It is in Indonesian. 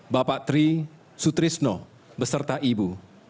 bapak tri sutrisno beserta ibu